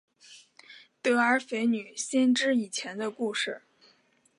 德尔斐女先知以前的故事。